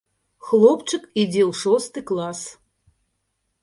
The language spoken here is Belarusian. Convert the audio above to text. Хлопчык ідзе ў шосты клас.